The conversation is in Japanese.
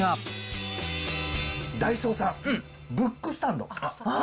ダイソーさん、ブックスタンド。